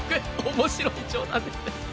面白い冗談ですね